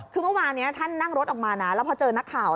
คือเมื่อวานนี้ท่านนั่งรถออกมานะแล้วพอเจอนักข่าว